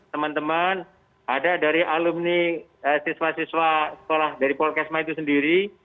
teman teman ada dari alumni siswa siswa sekolah dari polkesma itu sendiri